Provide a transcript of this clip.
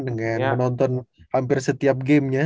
dengan menonton hampir setiap gamenya